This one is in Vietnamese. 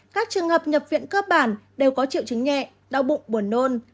các trường hợp nhập viện cơ bản đều có triệu chứng nhẹ đau bụng buồn nôn